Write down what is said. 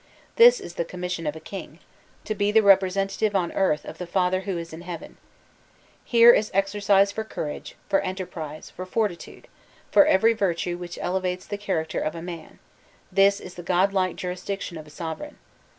This is the commission of a king to be the representative on earth of the Father who is in heaven. Here is exercise for courage, for enterprise, for fortitude, for every virtue which elevates the character of a man, this is the godlike jurisdiction of a sovereign.